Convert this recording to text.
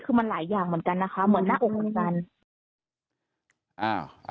ก็คือมันหลายอย่างเหมือนกันเหมือนหน้าองค์มัง